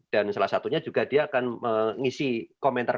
dan salah satunya juga dia akan mengisi komentar